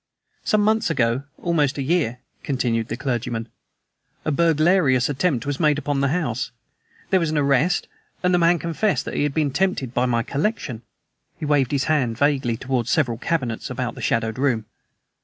"Some months ago, almost a year," continued the clergyman, "a burglarious attempt was made upon the house. There was an arrest, and the man confessed that he had been tempted by my collection." He waved his hand vaguely towards the several cabinets about the shadowed room.